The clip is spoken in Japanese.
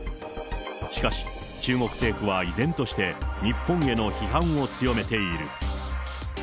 しかし、中国政府は依然として、日本への批判を強めている。